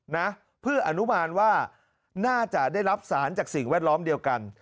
นะเพื่ออนุมานว่าน่าจะได้รับสารจากสิ่งแวดล้อมเดียวกัน